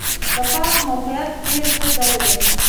د پارک موقعیت ډېر ښه ځای دی.